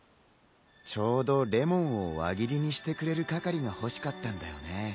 ちょうどレモンを輪切りにしてくれる係が欲しかったんだよね。